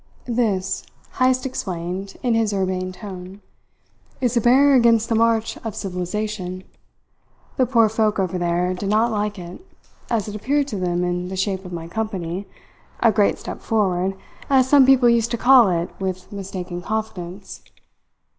"This," Heyst, explained in his urbane tone, "is a barrier against the march of civilization. The poor folk over there did not like it, as it appeared to them in the shape of my company a great step forward, as some people used to call it with mistaken confidence.